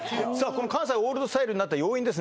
この関西オールドスタイルになった要因ですね